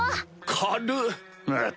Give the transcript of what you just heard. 軽っ！